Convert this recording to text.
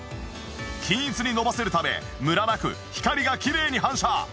均一にのばせるためムラなく光がきれいに反射。